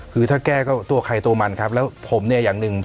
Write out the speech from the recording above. คือถ้าแก้ก็ตัวใครตัวมันครับแล้วผมเนี่ยอย่างหนึ่ง